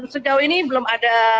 sejauh ini belum ada